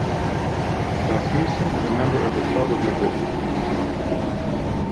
Rasmussen is a member of the Club of Madrid.